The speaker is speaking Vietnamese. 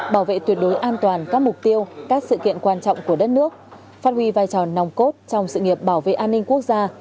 bảo vệ tuyệt đối an toàn các mục tiêu các sự kiện quan trọng của đất nước phát huy vai trò nòng cốt trong sự nghiệp bảo vệ an ninh quốc gia